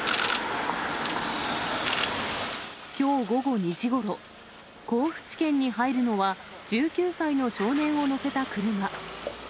きょう午後２時ごろ、甲府地検に入るのは、１９歳の少年を乗せた車。